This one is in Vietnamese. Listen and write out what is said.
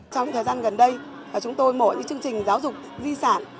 trong thời gian gần đây chúng tôi mở những chương trình giáo dục di sản